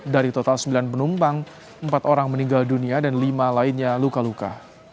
dari total sembilan penumpang empat orang meninggal dunia dan lima lainnya luka luka